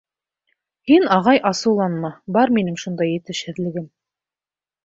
— Һин, ағай, асыуланма, бар минең шундай етешһеҙлегем.